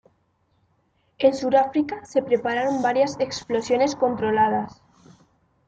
En Sudáfrica, se prepararon varias explosiones controladas.